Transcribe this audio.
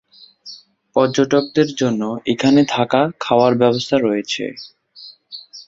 পর্যটকদের জন্য এখানে থাকা-খাওয়ার ব্যবস্থা রাখা হয়েছে।